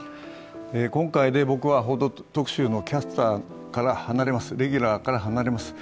今回で僕は「報道特集」のキャスター、レギュラーから離れます。